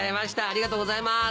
ありがとうございます。